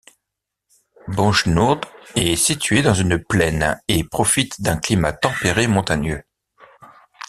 Bojnourd est située dans une plaine et profite d'un climat tempéré montagneux.